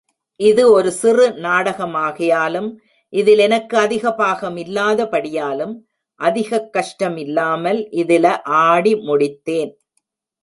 இது ஒரு சிறு நாடகமாகையாலும், இதில் எனக்கு அதிக பாகமில்லாத படியாலும், அதிகக் கஷ்டமில்லாமல் இதில ஆடி முடித்தேன்.